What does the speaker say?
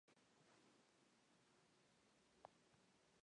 El centro administrativo del distrito es la ciudad de Kitzbühel.